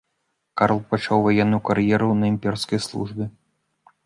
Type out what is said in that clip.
Карл пачаў ваенную кар'еру на імперскай службе.